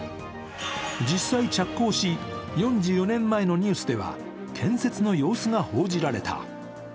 実際着工し、４４年前のニュースでは建設の様子が報じられた。